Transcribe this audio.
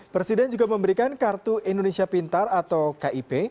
presiden juga memberikan kartu indonesia pintar atau kip